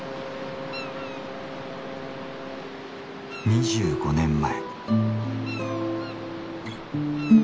２５年前。